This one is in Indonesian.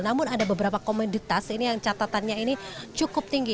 namun ada beberapa komoditas ini yang catatannya ini cukup tinggi